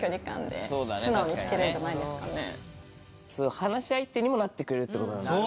話し相手にもなってくれるってことなんだ。